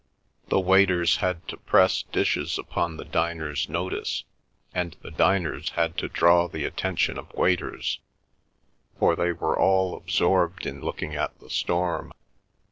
The waiters had to press dishes upon the diners' notice; and the diners had to draw the attention of waiters, for they were all absorbed in looking at the storm.